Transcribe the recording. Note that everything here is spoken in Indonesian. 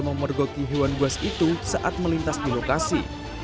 memergoki hewan buas itu saat melintas di lokasi